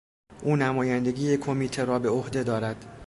او نمایندگی کمیته را به عهده دارد.